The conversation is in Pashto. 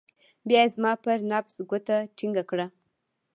بيا يې زما پر نبض گوته ټينګه کړه.